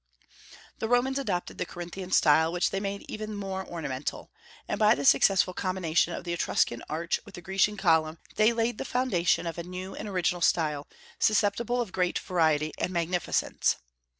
The Romans adopted the Corinthian style, which they made even more ornamental; and by the successful combination of the Etruscan arch with the Grecian column they laid the foundation of a new and original style, susceptible of great variety and magnificence.